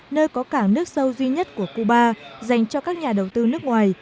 nơi có cảng nước sâu duy nhất của cuba dành cho các nhà đầu tư nước ngoài